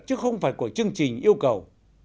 chứ không phải của chương trình yêu cầu